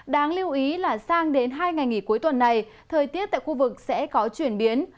đáng lưu ý là sang đến hai ngày nghỉ cuối tuần này thời tiết tại khu vực sẽ có chuyển biến